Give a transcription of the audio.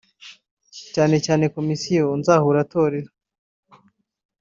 cyane cyane komisiyo nzahuratorero